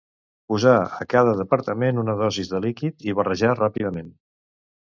Posar a cada departament una dosis de líquid i barrejar ràpidament.